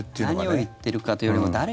何を言っているかというよりも誰が。